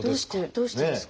どうしてですか？